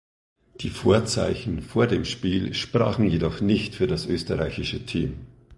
Die Vorzeichen vor dem Spiel sprachen jedoch nicht für das österreichische Team.